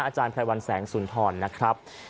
อาจารย์ไพรวัลแสงสุนทรนะครับ